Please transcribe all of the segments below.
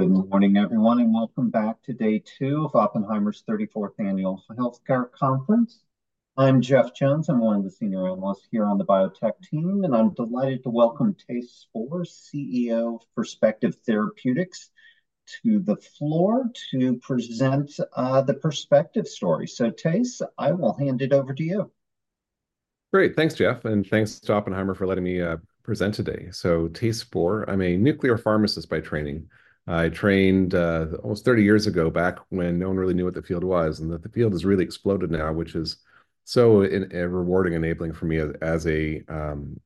Good morning, everyone, and welcome back to day 2 of Oppenheimer's 34th Annual Healthcare Conference. I'm Jeff Jones. I'm one of the senior analysts here on the biotech team, and I'm delighted to welcome Thijs Spoor, CEO of Perspective Therapeutics, to the floor to present the Perspective story. So Thijs, I will hand it over to you. Great. Thanks, Jeff, and thanks to Oppenheimer for letting me present today. So Thijs Spoor, I'm a nuclear pharmacist by training. I trained almost 30 years ago, back when no one really knew what the field was, and that the field has really exploded now, which is so in rewarding, enabling for me as,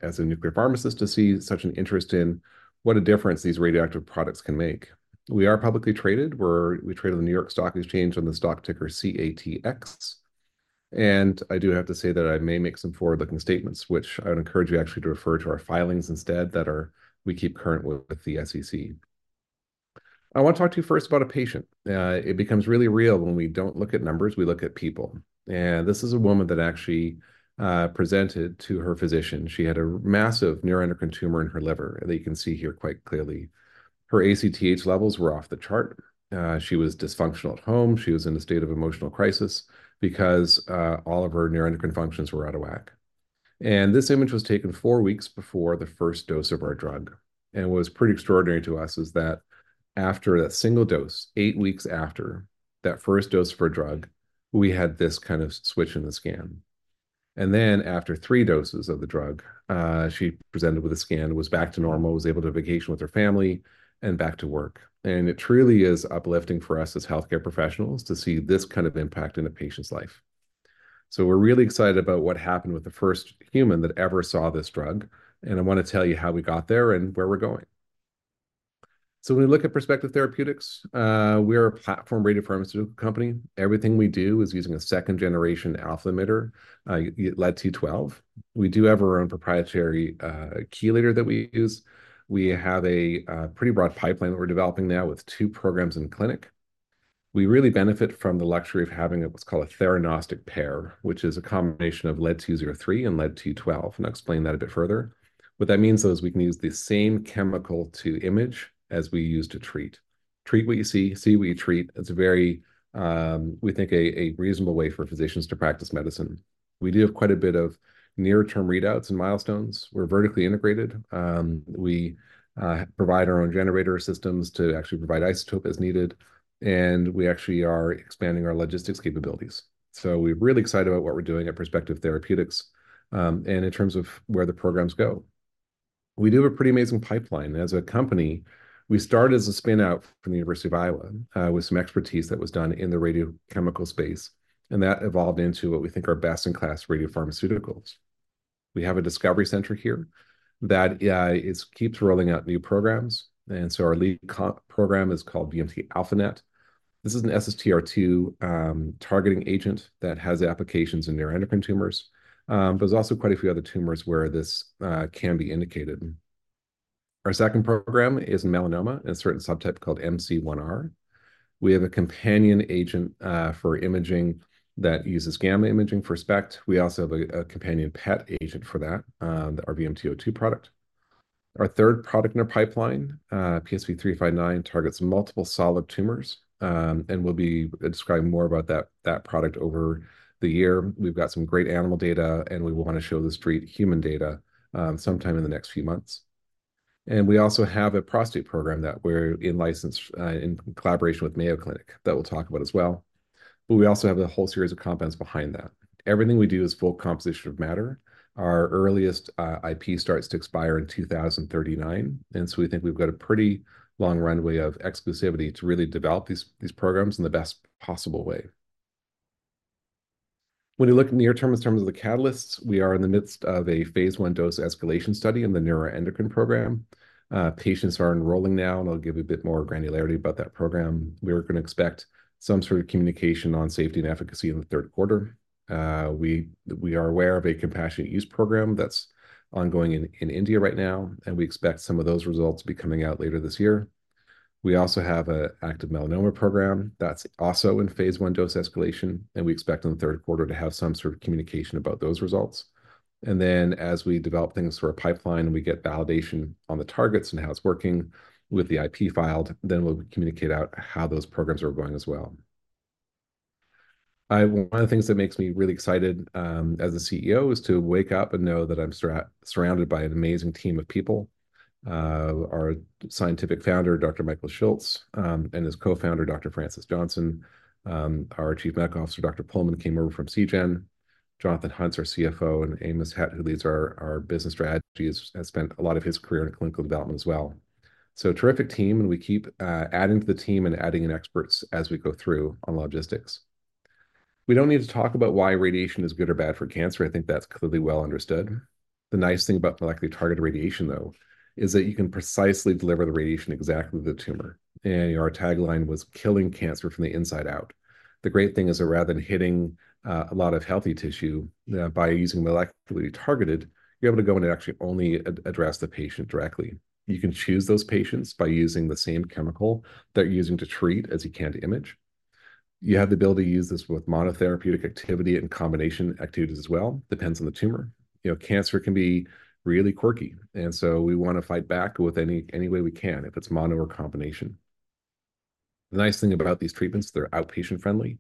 as a nuclear pharmacist, to see such an interest in what a difference these radioactive products can make. We are publicly traded, where we trade on the New York Stock Exchange on the stock ticker CATX. And I do have to say that I may make some forward-looking statements, which I would encourage you actually to refer to our filings instead, that are. We keep current with the SEC. I want to talk to you first about a patient. It becomes really real when we don't look at numbers, we look at people. And this is a woman that actually presented to her physician. She had a massive neuroendocrine tumor in her liver, and you can see here quite clearly. Her ACTH levels were off the chart. She was dysfunctional at home. She was in a state of emotional crisis because all of her neuroendocrine functions were out of whack. And this image was taken four weeks before the first dose of our drug, and what was pretty extraordinary to us is that after a single dose, eight weeks after that first dose of her drug, we had this kind of switch in the scan. And then, after three doses of the drug, she presented with a scan, was back to normal, was able to vacation with her family and back to work. It truly is uplifting for us as healthcare professionals to see this kind of impact in a patient's life. So we're really excited about what happened with the first human that ever saw this drug, and I want to tell you how we got there and where we're going. So when we look at Perspective Therapeutics, we are a platform radiopharmaceutical company. Everything we do is using a second-generation alpha emitter, lead-212. We do have our own proprietary chelator that we use. We have a pretty broad pipeline that we're developing now with two programs in the clinic. We really benefit from the luxury of having what's called a theranostic pair, which is a combination of lead-203 and lead-212, and I'll explain that a bit further. What that means is we can use the same chemical to image as we use to treat. Treat what you see, see what you treat. It's very, we think, a reasonable way for physicians to practice medicine. We do have quite a bit of near-term readouts and milestones. We're vertically integrated. We provide our own generator systems to actually provide isotope as needed, and we actually are expanding our logistics capabilities. So we're really excited about what we're doing at Perspective Therapeutics, and in terms of where the programs go. We do have a pretty amazing pipeline. As a company, we started as a spin-out from the University of Iowa, with some expertise that was done in the radiochemical space, and that evolved into what we think are best-in-class radiopharmaceuticals. We have a discovery center here that keeps rolling out new programs, and so our lead program is called VMT-α-NET. This is an SSTR2 targeting agent that has applications in neuroendocrine tumors. There's also quite a few other tumors where this can be indicated. Our second program is melanoma, a certain subtype called MC1R. We have a companion agent for imaging that uses gamma imaging for SPECT. We also have a companion PET agent for that, the VMT02 product. Our third product in our pipeline, PSV359, targets multiple solid tumors, and we'll be describing more about that product over the year. We've got some great animal data, and we want to show the straight human data sometime in the next few months. And we also have a prostate program that we're in license in collaboration with Mayo Clinic that we'll talk about as well. But we also have a whole series of compounds behind that. Everything we do is full composition of matter. Our earliest IP starts to expire in 2039, and so we think we've got a pretty long runway of exclusivity to really develop these programs in the best possible way. When you look near term in terms of the catalysts, we are in the midst of a phase I dose-escalation study in the neuroendocrine program. Patients are enrolling now, and I'll give you a bit more granularity about that program. We're gonna expect some sort of communication on safety and efficacy in the third quarter. We are aware of a compassionate use program that's ongoing in India right now, and we expect some of those results to be coming out later this year. We also have an active melanoma program that's also in phase I dose escalation, and we expect in the third quarter to have some sort of communication about those results. Then, as we develop things for our pipeline, and we get validation on the targets and how it's working with the IP filed, we'll communicate out how those programs are going as well. One of the things that makes me really excited, as a CEO, is to wake up and know that I'm surrounded by an amazing team of people. Our scientific founder, Dr. Michael Schultz, and his co-founder, Dr. Frances Johnson, our Chief Medical Officer, Dr. Puhlmann, came over from Seagen. Jonathan Hunt, our CFO, and Amos Hedt, who leads our business strategy, has spent a lot of his career in clinical development as well. So a terrific team, and we keep adding to the team and adding in experts as we go through on logistics. We don't need to talk about why radiation is good or bad for cancer. I think that's clearly well understood. The nice thing about molecularly targeted radiation, though, is that you can precisely deliver the radiation exactly to the tumor, and our tagline was: "Killing cancer from the inside out." The great thing is that rather than hitting a lot of healthy tissue, by using molecularly targeted, you're able to go in and actually only address the patient directly. You can choose those patients by using the same chemical that you're using to treat as you can to image. You have the ability to use this with monotherapeutic activity and combination activities as well, depends on the tumor. You know, cancer can be really quirky, and so we want to fight back with any, any way we can, if it's mono or combination. The nice thing about these treatments, they're outpatient-friendly, and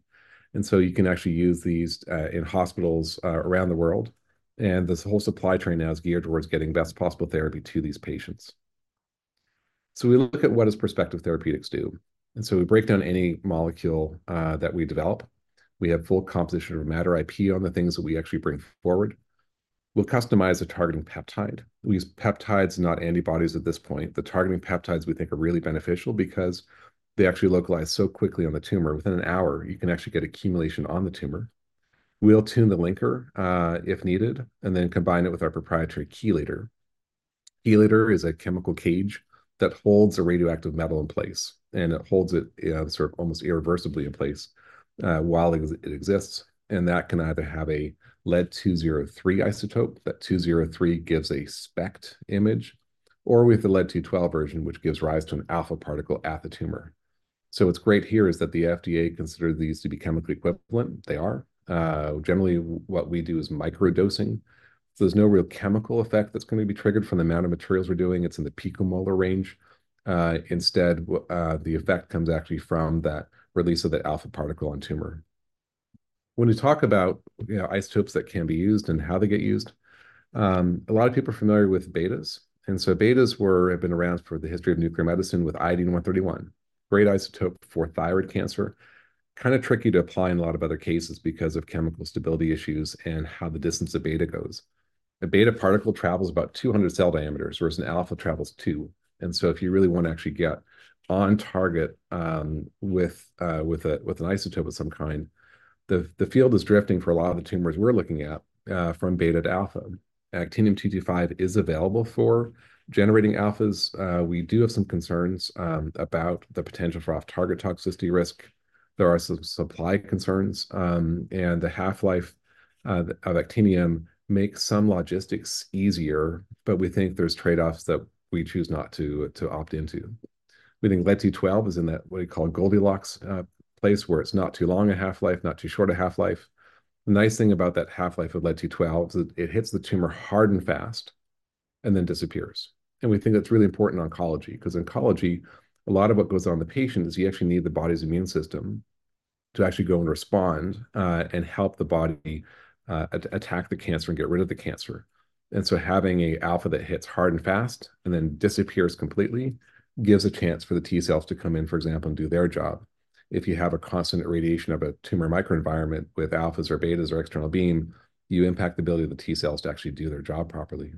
so you can actually use these in hospitals around the world, and this whole supply chain now is geared towards getting best possible therapy to these patients. So we look at what does Perspective Therapeutics do? And so we break down any molecule that we develop. We have full composition of matter IP on the things that we actually bring forward. We'll customize a targeting peptide. We use peptides, not antibodies, at this point. The targeting peptides we think are really beneficial because they actually localize so quickly on the tumor. Within an hour, you can actually get accumulation on the tumor. We'll tune the linker if needed, and then combine it with our proprietary chelator. Chelator is a chemical cage that holds a radioactive metal in place, and it holds it sort of almost irreversibly in place while it exists. That can either have a lead-203 isotope. That 203 gives a SPECT image, or with the lead-212 version, which gives rise to an alpha particle at the tumor. So what's great here is that the FDA considered these to be chemically equivalent. They are. Generally, what we do is microdosing, so there's no real chemical effect that's gonna be triggered from the amount of materials we're doing. It's in the picomolar range. Instead, the effect comes actually from that release of the alpha particle on tumor. When we talk about, you know, isotopes that can be used and how they get used, a lot of people are familiar with betas. And so betas have been around for the history of nuclear medicine with I-131. Great isotope for thyroid cancer. Kinda tricky to apply in a lot of other cases because of chemical stability issues and how the distance of beta goes. A beta particle travels about 200 cell diameters, whereas an alpha travels 2. And so if you really want to actually get on target with an isotope of some kind, the field is drifting for a lot of the tumors we're looking at from beta to alpha. Actinium-225 is available for generating alphas. We do have some concerns about the potential for off-target toxicity risk. There are some supply concerns, and the half-life of actinium makes some logistics easier, but we think there's trade-offs that we choose not to opt into. We think Lead-212 is in that, what you call a Goldilocks place, where it's not too long a half-life, not too short a half-life. The nice thing about that half-life of Lead-212 is that it hits the tumor hard and fast and then disappears, and we think that's really important in oncology, 'cause oncology, a lot of what goes on in the patient is you actually need the body's immune system to actually go and respond, and help the body attack the cancer and get rid of the cancer. Having an alpha that hits hard and fast and then disappears completely gives a chance for the T cells to come in, for example, and do their job. If you have a constant irradiation of a tumor microenvironment with alphas or betas or external beam, you impact the ability of the T cells to actually do their job properly.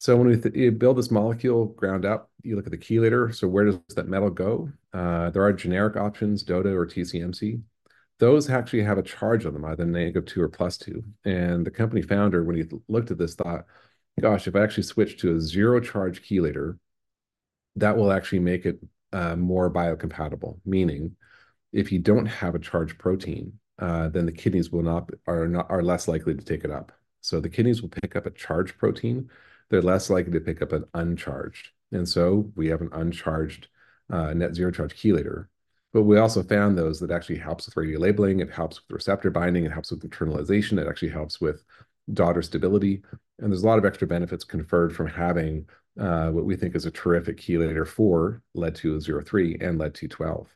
So when we build this molecule ground up, you look at the chelator, so where does that metal go? There are generic options, DOTA or TCMC. Those actually have a charge on them, either -2 or +2, and the company founder, when he looked at this, thought, "Gosh, if I actually switch to a zero charge chelator, that will actually make it more biocompatible." Meaning, if you don't have a charged protein, then the kidneys are less likely to take it up. So the kidneys will pick up a charged protein; they're less likely to pick up an uncharged, and so we have an uncharged net zero charge chelator. But we also found, though, is that actually helps with your labeling, it helps with receptor binding, it helps with internalization, it actually helps with daughter stability, and there's a lot of extra benefits conferred from having what we think is a terrific chelator for Lead-203 and Lead-212.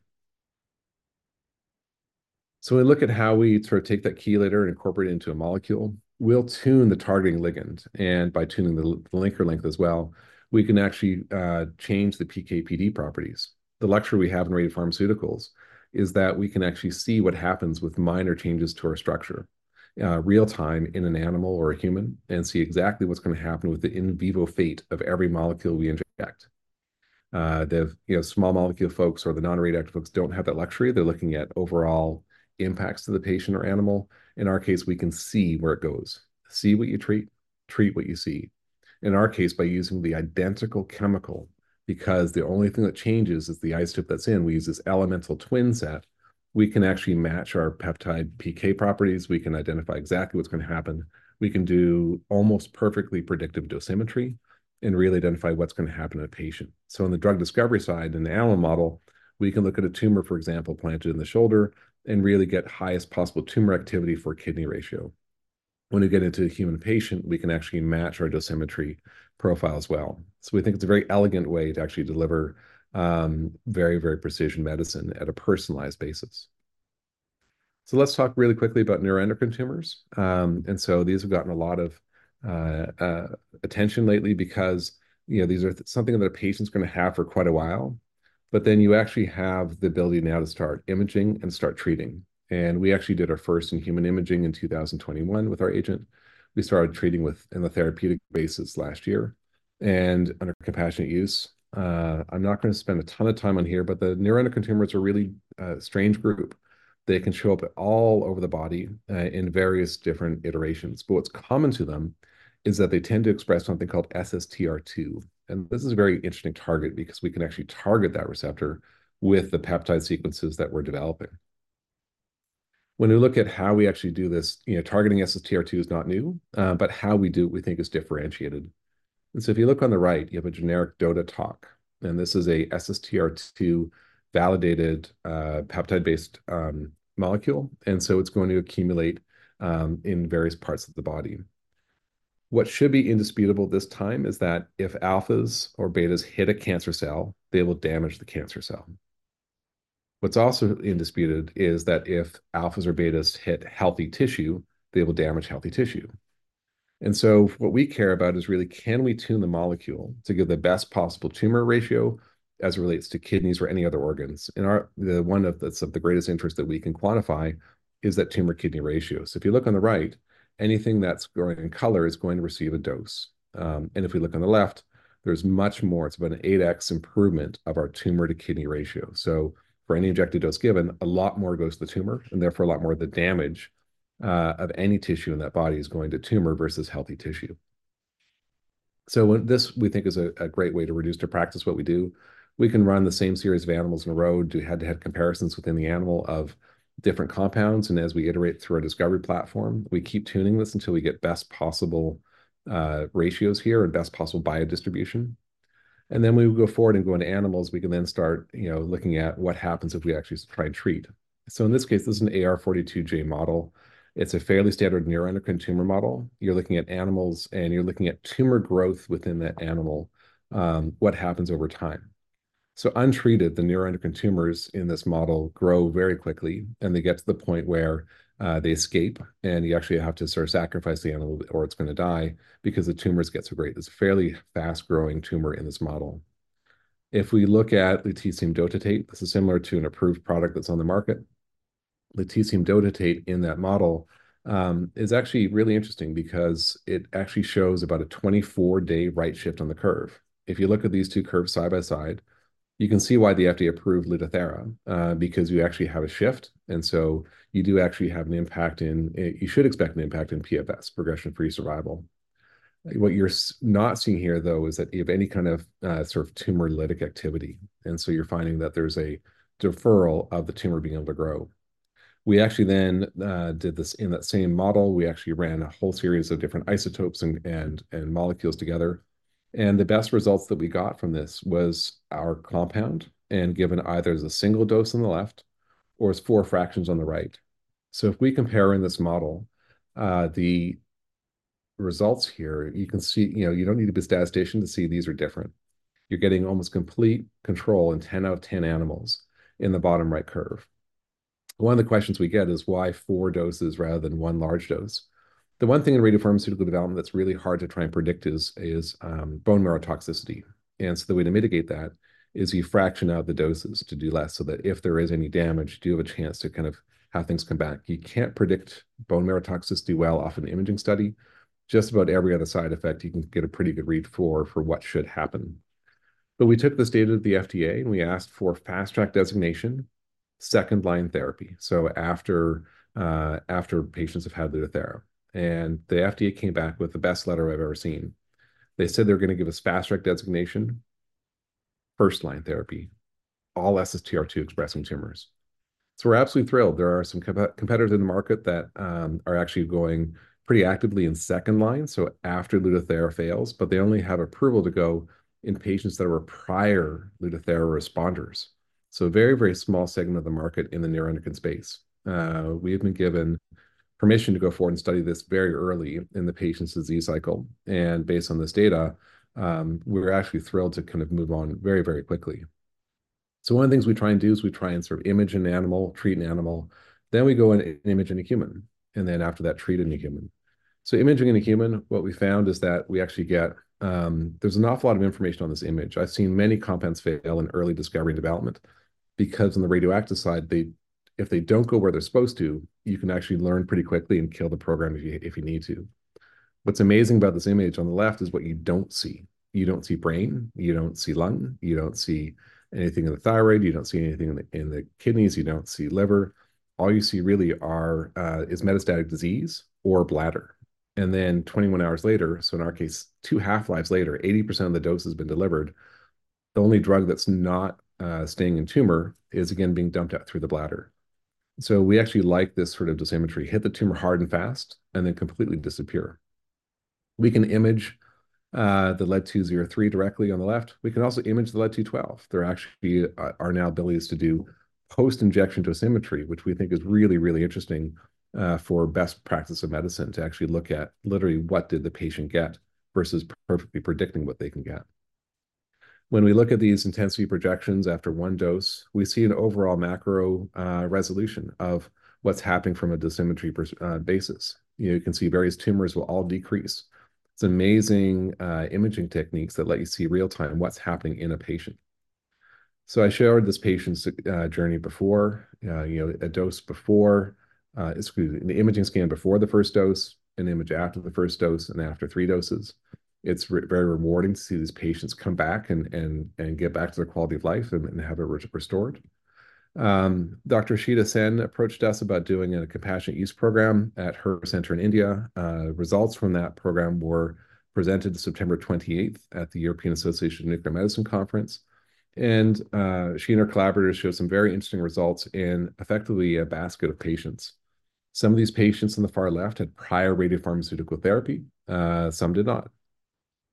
So we look at how we sort of take that chelator and incorporate it into a molecule. We'll tune the targeting ligand, and by tuning the the linker length as well, we can actually change the PK/PD properties. The luxury we have in radiopharmaceuticals is that we can actually see what happens with minor changes to our structure real time in an animal or a human, and see exactly what's gonna happen with the in vivo fate of every molecule we inject. The, you know, small molecule folks or the non-radioactive folks don't have that luxury. They're looking at overall impacts to the patient or animal. In our case, we can see where it goes. See what you treat, treat what you see. In our case, by using the identical chemical, because the only thing that changes is the isotope that's in, we use this elemental twin set, we can actually match our peptide PK properties. We can identify exactly what's gonna happen. We can do almost perfectly predictive dosimetry and really identify what's gonna happen to a patient. So in the drug discovery side, in the animal model, we can look at a tumor, for example, planted in the shoulder and really get highest possible tumor activity for kidney ratio. When we get into a human patient, we can actually match our dosimetry profile as well. So we think it's a very elegant way to actually deliver very, very precision medicine at a personalized basis. So let's talk really quickly about neuroendocrine tumors. And so these have gotten a lot of attention lately because, you know, these are something that a patient's gonna have for quite a while, but then you actually have the ability now to start imaging and start treating. And we actually did our first in-human imaging in 2021 with our agent. We started treating with, in a therapeutic basis last year, and under compassionate use. I'm not gonna spend a ton of time on here, but the neuroendocrine tumors are a really strange group. They can show up all over the body, in various different iterations. But what's common to them is that they tend to express something called SSTR2, and this is a very interesting target because we can actually target that receptor with the peptide sequences that we're developing. When we look at how we actually do this, you know, targeting SSTR2 is not new, but how we do it, we think is differentiated. And so if you look on the right, you have a generic DOTATOC, and this is a SSTR2-validated, peptide-based, molecule, and so it's going to accumulate in various parts of the body. What should be indisputable this time is that if alphas or betas hit a cancer cell, they will damage the cancer cell. What's also undisputed is that if alphas or betas hit healthy tissue, they will damage healthy tissue. And so what we care about is really, can we tune the molecule to give the best possible tumor ratio as it relates to kidneys or any other organs? The one that's of the greatest interest that we can quantify is that tumor-kidney ratio. So if you look on the right, anything that's going in color is going to receive a dose. And if we look on the left, there's much more, it's about an 8x improvement of our tumor-to-kidney ratio. So for any injected dose given, a lot more goes to the tumor, and therefore, a lot more of the damage of any tissue in that body is going to tumor versus healthy tissue. So what this we think is a great way to reduce to practice what we do. We can run the same series of animals in a row to head-to-head comparisons within the animal of different compounds, and as we iterate through our discovery platform, we keep tuning this until we get best possible ratios here and best possible biodistribution. And then when we go forward and go into animals, we can then start, you know, looking at what happens if we actually try and treat. So in this case, this is an AR42J model. It's a fairly standard neuroendocrine tumor model. You're looking at animals, and you're looking at tumor growth within that animal, what happens over time. So untreated, the neuroendocrine tumors in this model grow very quickly, and they get to the point where they escape, and you actually have to sort of sacrifice the animal or it's gonna die because the tumors get so great. There's a fairly fast-growing tumor in this model. If we look at lutetium dotatate, this is similar to an approved product that's on the market. Lutetium dotatate in that model is actually really interesting because it actually shows about a 24-day right shift on the curve. If you look at these two curves side by side, you can see why the FDA approved Lutathera, because you actually have a shift, and so you do actually have an impact in... You should expect an impact in PFS, progression-free survival. What you're not seeing here, though, is that you have any kind of, sort of tumor lytic activity, and so you're finding that there's a deferral of the tumor being able to grow. We actually then did this in that same model. We actually ran a whole series of different isotopes and, and, and molecules together, and the best results that we got from this was our compound, and given either as a single dose on the left or as four fractions on the right. So if we compare in this model, the results here, you can see. You know, you don't need to be a statistician to see these are different. You're getting almost complete control in 10 out of 10 animals in the bottom right curve. One of the questions we get is, why 4 doses rather than 1 large dose? The one thing in radiopharmaceutical development that's really hard to try and predict is bone marrow toxicity. And so the way to mitigate that is you fraction out the doses to do less, so that if there is any damage, you do have a chance to kind of have things come back. You can't predict bone marrow toxicity well off an imaging study. Just about every other side effect, you can get a pretty good read for what should happen. But we took this data to the FDA, and we asked for fast track designation, second-line therapy, so after patients have had Lutathera. And the FDA came back with the best letter I've ever seen. They said they're gonna give us fast track designation, first-line therapy, all SSTR2-expressing tumors. So we're absolutely thrilled. There are some competitors in the market that are actually going pretty actively in second line, so after Lutathera fails, but they only have approval to go in patients that are prior Lutathera responders. So a very, very small segment of the market in the neuroendocrine space. We have been given permission to go forward and study this very early in the patient's disease cycle, and based on this data, we're actually thrilled to kind of move on very, very quickly. So one of the things we try and do is we try and sort of image an animal, treat an animal, then we go and image in a human, and then after that, treat in a human. So imaging in a human, what we found is that we actually get. There's an awful lot of information on this image. I've seen many compounds fail in early discovery development because on the radioactive side, they, if they don't go where they're supposed to, you can actually learn pretty quickly and kill the program if you need to. What's amazing about this image on the left is what you don't see. You don't see brain, you don't see lung, you don't see anything in the thyroid, you don't see anything in the kidneys, you don't see liver. All you see really are is metastatic disease or bladder. Then 21 hours later, so in our case, two half-lives later, 80% of the dose has been delivered. The only drug that's not staying in tumor is again being dumped out through the bladder. So we actually like this sort of dosimetry. Hit the tumor hard and fast and then completely disappear. We can image the lead-203 directly on the left. We can also image the lead-212. There actually are now abilities to do post-injection dosimetry, which we think is really, really interesting for best practice of medicine, to actually look at literally what did the patient get versus perfectly predicting what they can get. When we look at these intensity projections after one dose, we see an overall macro resolution of what's happening from a dosimetry perspective basis. You know, you can see various tumors will all decrease. It's amazing, imaging techniques that let you see real-time what's happening in a patient. So I showed this patient's journey before, you know, a dose before, excuse me, the imaging scan before the first dose, an image after the first dose, and after 3 doses. It's really very rewarding to see these patients come back and, and, and get back to their quality of life and, and have it restored. Dr. Ishita Sen approached us about doing a compassionate use program at her center in India. Results from that program were presented September 28th at the European Association of Nuclear Medicine conference, and she and her collaborators showed some very interesting results in effectively a basket of patients. Some of these patients on the far left had prior radiopharmaceutical therapy, some did not.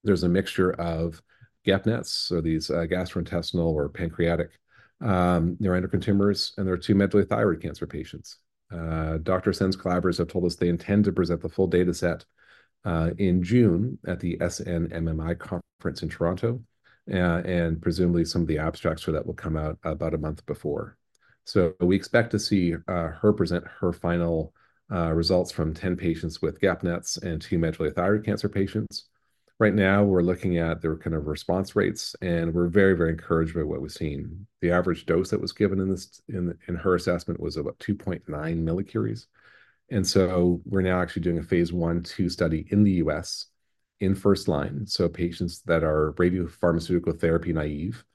There's a mixture of GEP-NETs, so these gastrointestinal or pancreatic neuroendocrine tumors, and there are two medullary thyroid cancer patients. Dr. Sen's collaborators have told us they intend to present the full data set in June at the SNMMI conference in Toronto. And presumably, some of the abstracts for that will come out about a month before. So we expect to see her present her final results from 10 patients with GEP-NETs and two medullary thyroid cancer patients. Right now, we're looking at their kind of response rates, and we're very, very encouraged by what we're seeing. The average dose that was given in her assessment was about 2.9 millicuries. We're now actually doing a phase I/II study in the U.S. in first line, so patients that are radiopharmaceutical therapy naive.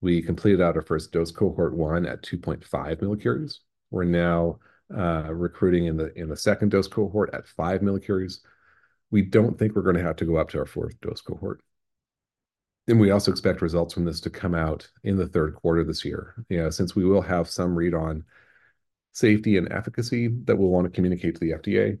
We completed out our first dose cohort 1 at 2.5 millicuries. We're now recruiting in the second dose cohort at 5 millicuries. We don't think we're gonna have to go up to our fourth dose cohort. And we also expect results from this to come out in the third quarter of this year. Yeah, since we will have some read on safety and efficacy that we'll want to communicate to the FDA,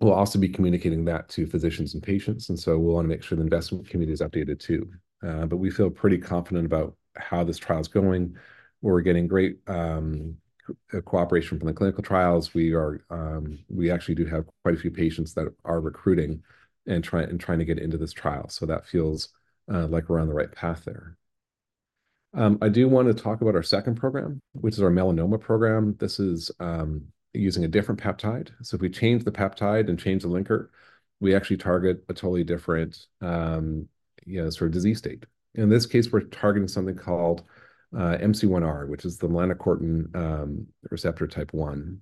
we'll also be communicating that to physicians and patients, and so we'll want to make sure the investment community is updated too. But we feel pretty confident about how this trial is going. We're getting great cooperation from the clinical trials. We are, we actually do have quite a few patients that are recruiting and trying to get into this trial, so that feels like we're on the right path there. I do want to talk about our second program, which is our melanoma program. This is using a different peptide. So if we change the peptide and change the linker, we actually target a totally different, you know, sort of disease state. In this case, we're targeting something called MC1R, which is the melanocortin receptor type one.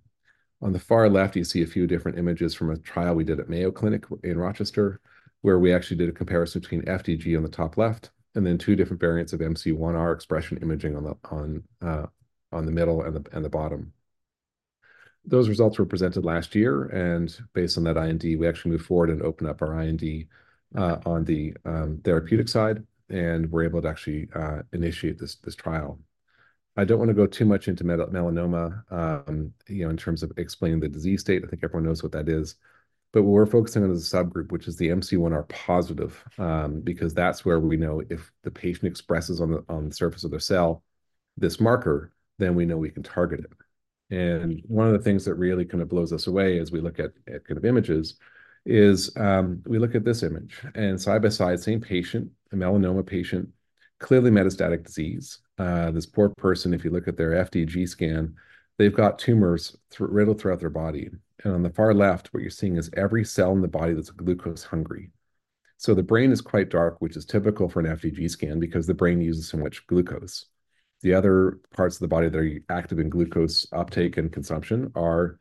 On the far left, you see a few different images from a trial we did at Mayo Clinic in Rochester, where we actually did a comparison between FDG on the top left, and then two different variants of MC1R expression imaging on the middle and the bottom. Those results were presented last year, and based on that IND, we actually moved forward and opened up our IND on the therapeutic side, and we're able to actually initiate this trial. I don't want to go too much into melanoma, you know, in terms of explaining the disease state. I think everyone knows what that is. But what we're focusing on is a subgroup, which is the MC1R positive, because that's where we know if the patient expresses on the surface of their cell this marker, then we know we can target it. And one of the things that really kind of blows us away as we look at kind of images is we look at this image, and side by side, same patient, a melanoma patient, clearly metastatic disease. This poor person, if you look at their FDG scan, they've got tumors riddled throughout their body. And on the far left, what you're seeing is every cell in the body that's glucose hungry. So the brain is quite dark, which is typical for an FDG scan because the brain uses so much glucose. The other parts of the body that are active in glucose uptake and consumption are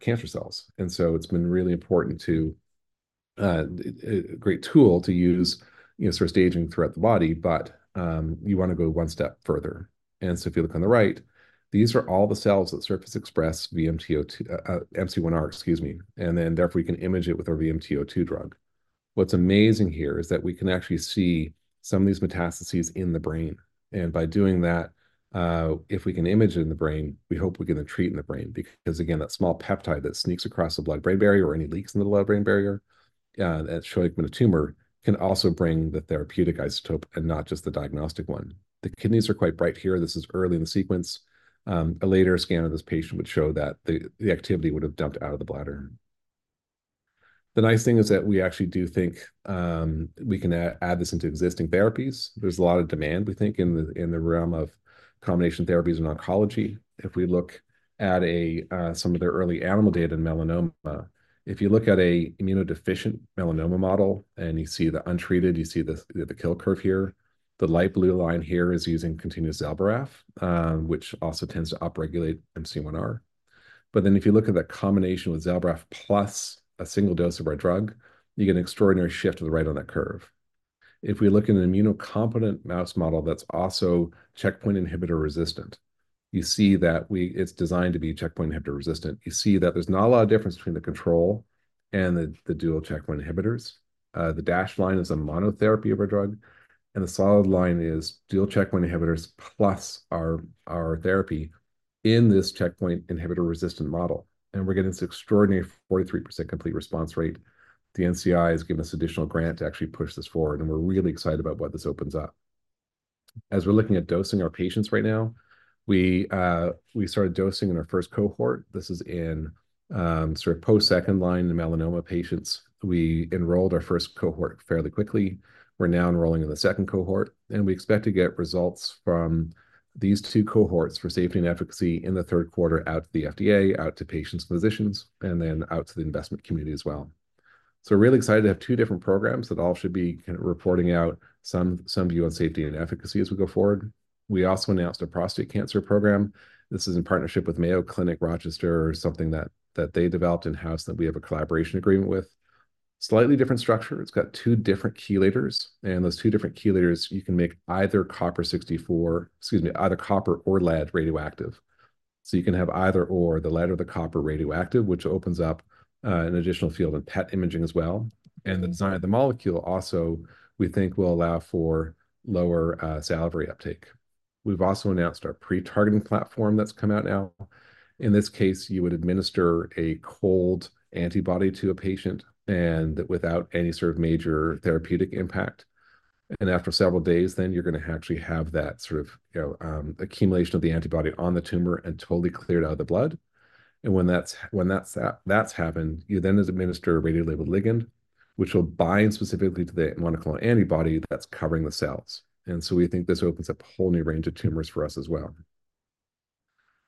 cancer cells. And so it's been really important to a great tool to use, you know, sort of staging throughout the body. But you want to go one step further. And so if you look on the right, these are all the cells that surface express VMT02 MC1R, excuse me, and then therefore, we can image it with our VMT02 drug. What's amazing here is that we can actually see some of these metastases in the brain. By doing that, if we can image it in the brain, we hope we can then treat in the brain. Because, again, that small peptide that sneaks across the blood-brain barrier or any leaks in the blood-brain barrier that show a tumor, can also bring the therapeutic isotope and not just the diagnostic one. The kidneys are quite bright here. This is early in the sequence. A later scan of this patient would show that the activity would have dumped out of the bladder. The nice thing is that we actually do think we can add this into existing therapies. There's a lot of demand, we think, in the realm of combination therapies in oncology. If we look at some of the early animal data in melanoma, if you look at an immunodeficient melanoma model and you see the untreated, you see the kill curve here. The light blue line here is using continuous Zelboraf, which also tends to upregulate MC1R. But then, if you look at the combination with Zelboraf plus a single dose of our drug, you get an extraordinary shift to the right on that curve. If we look at an immunocompetent mouse model that's also checkpoint inhibitor resistant, you see that it's designed to be checkpoint inhibitor resistant. You see that there's not a lot of difference between the control and the dual checkpoint inhibitors. The dashed line is a monotherapy of our drug, and the solid line is dual checkpoint inhibitors, plus our therapy in this checkpoint inhibitor-resistant model, and we're getting this extraordinary 43% complete response rate. The NCI has given us additional grant to actually push this forward, and we're really excited about what this opens up. As we're looking at dosing our patients right now, we started dosing in our first cohort. This is in sort of post second line in melanoma patients. We enrolled our first cohort fairly quickly. We're now enrolling in the second cohort, and we expect to get results from these two cohorts for safety and efficacy in the third quarter, out to the FDA, out to patients and physicians, and then out to the investment community as well. So we're really excited to have two different programs that all should be kind of reporting out some view on safety and efficacy as we go forward. We also announced a prostate cancer program. This is in partnership with Mayo Clinic, Rochester, something that they developed in-house that we have a collaboration agreement with. Slightly different structure. It's got two different chelators, and those two different chelators, you can make either copper 64, excuse me, either copper or lead radioactive. So you can have either or, the lead or the copper radioactive, which opens up an additional field in PET imaging as well. And the design of the molecule also, we think, will allow for lower salivary uptake. We've also announced our pre-targeting platform that's come out now. In this case, you would administer a cold antibody to a patient, and without any sort of major therapeutic impact. And after several days, then you're going to actually have that sort of, you know, accumulation of the antibody on the tumor, and totally cleared out of the blood. And when that's happened, you then administer a radio-labeled ligand, which will bind specifically to the monoclonal antibody that's covering the cells. And so we think this opens up a whole new range of tumors for us as well.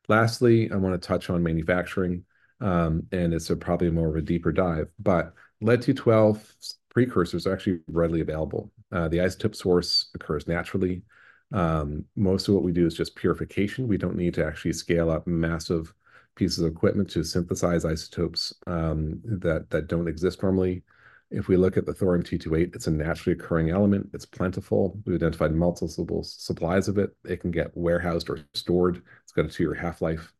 Lastly, I want to touch on manufacturing, and it's probably more of a deeper dive. But Lead-212 precursors are actually readily available. The isotope source occurs naturally. Most of what we do is just purification. We don't need to actually scale up massive pieces of equipment to synthesize isotopes that don't exist normally. If we look at the thorium-228, it's a naturally occurring element. It's plentiful. We've identified multiple supplies of it. It can get warehoused or stored. It's got a 2-year half-life.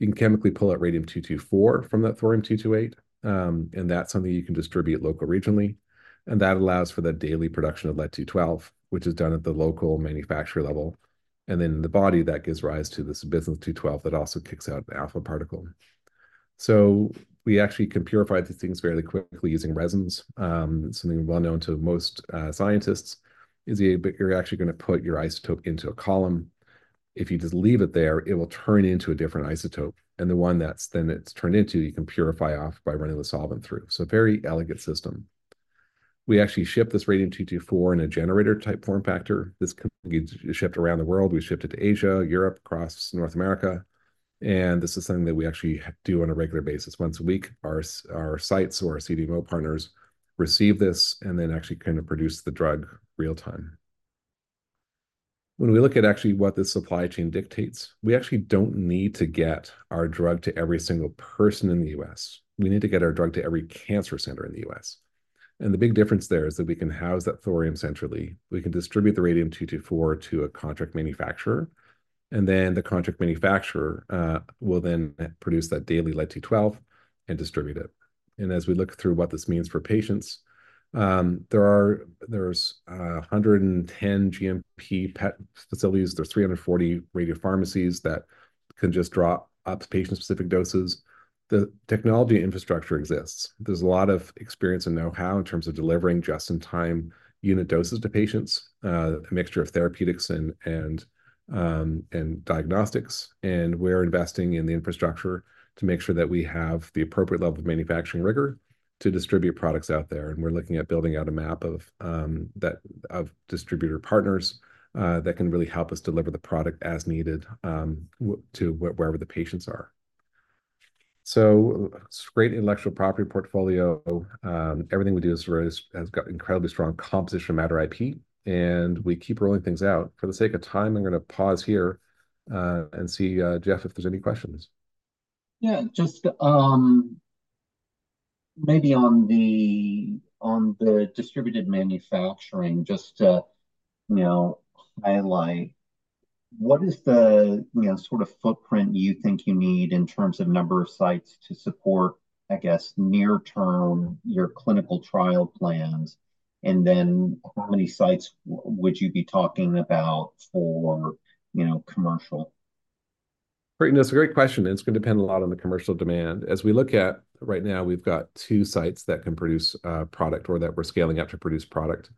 You can chemically pull out radium-224 from that thorium-228, and that's something you can distribute local regionally, and that allows for the daily production of lead-212, which is done at the local manufacturer level. And then in the body, that gives rise to this bismuth-212 that also kicks out an alpha particle. So we actually can purify these things fairly quickly using resins. Something well known to most scientists is but you're actually going to put your isotope into a column. If you just leave it there, it will turn into a different isotope, and the one that's then it's turned into, you can purify off by running the solvent through. So a very elegant system. We actually ship this radium-224 in a generator-type form factor. This can be shipped around the world. We've shipped it to Asia, Europe, across North America, and this is something that we actually do on a regular basis. Once a week, our sites or our CDMO partners receive this, and then actually kind of produce the drug real time. When we look at actually what the supply chain dictates, we actually don't need to get our drug to every single person in the U.S. We need to get our drug to every cancer center in the U.S. The big difference there is that we can house that thorium centrally. We can distribute the radium-224 to a contract manufacturer, and then the contract manufacturer will then produce that daily lead-212 and distribute it. And as we look through what this means for patients, there's 110 GMP PET facilities. There's 340 radio pharmacies that can just drop up patient-specific doses. The technology infrastructure exists. There's a lot of experience and know-how in terms of delivering just-in-time unit doses to patients, a mixture of therapeutics and diagnostics. And we're investing in the infrastructure to make sure that we have the appropriate level of manufacturing rigor to distribute products out there. And we're looking at building out a map of distributor partners that can really help us deliver the product as needed, to wherever the patients are. So great intellectual property portfolio. Everything we do has got incredibly strong composition matter IP, and we keep rolling things out. For the sake of time, I'm going to pause here, and see, Jeff, if there's any questions. Yeah. Just maybe on the, on the distributed manufacturing, just to, you know, highlight, what is the, you know, sort of footprint you think you need in terms of number of sites to support, I guess, near-term, your clinical trial plans? And then how many sites would you be talking about for, you know, commercial? Great, and that's a great question, and it's going to depend a lot on the commercial demand. As we look at right now, we've got two sites that can produce product or that we're scaling up to produce product.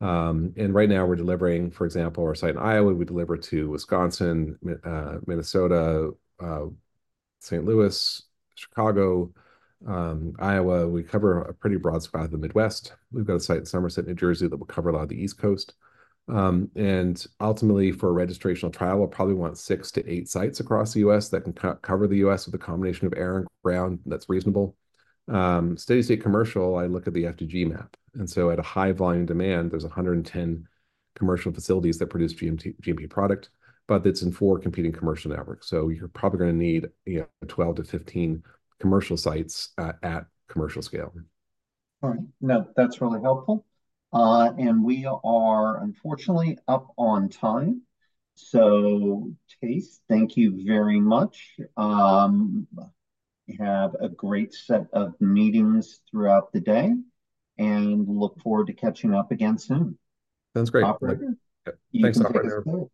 And right now we're delivering, for example, our site in Iowa, we deliver to Wisconsin, Minnesota, St. Louis, Chicago, Iowa. We cover a pretty broad swath of the Midwest. We've got a site in Somerset, New Jersey, that will cover a lot of the East Coast. And ultimately, for a registrational trial, we'll probably want 6-8 sites across the U.S. that can cover the U.S. with a combination of air and ground. That's reasonable. Steady-state commercial, I look at the FDG map, and so at a high volume demand, there's 110 commercial facilities that produce GMP product, but it's in four competing commercial networks. So you're probably going to need, you know, 12-15 commercial sites at commercial scale. All right. No, that's really helpful. And we are unfortunately up on time. So Thijs, thank you very much. Have a great set of meetings throughout the day, and look forward to catching up again soon. Sounds great. All right. Thanks for having me.